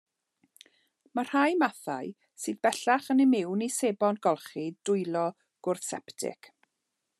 Mae rhai mathau sydd bellach yn imiwn i sebon golchi dwylo gwrthseptig.